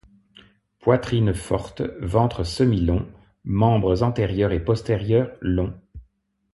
Poitrine forte, ventre semi-long, membres antérieurs et postérieurs, long.